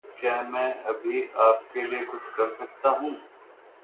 क्या मैं अभी आप के लिए कुछ कर सकता हूं?